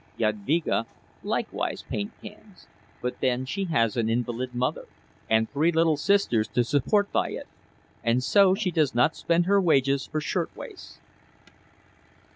Jadvyga likewise paints cans, but then she has an invalid mother and three little sisters to support by it, and so she does not spend her wages for shirtwaists.